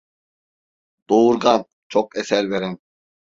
Doğurgan, çok eser veren.